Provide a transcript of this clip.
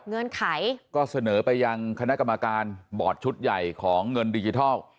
เงื่อนไขก็เสนอไปยังคณะกรรมการบอร์ดชุดใหญ่ของเงินดิจิทัล